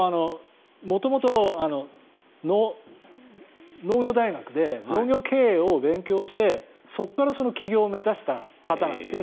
もともと、農業大学で農業経営を勉強してそこから起業を目指した方なんですね。